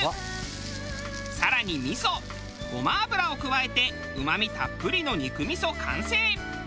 更に味噌ごま油を加えてうまみたっぷりの肉みそ完成。